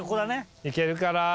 いけるかな？